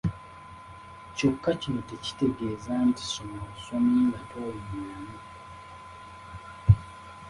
Kyokka kino tekitegeeza nti soma busomi nga towummulamu.